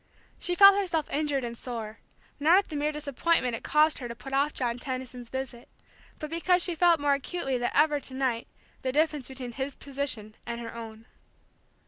She herself felt injured and sore, not at the mere disappointment it caused her to put off John Tendon's visit, but because she felt more acutely than ever to night the difference between his position and her own.